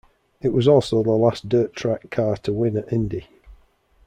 It was also the last dirt track car to win at Indy.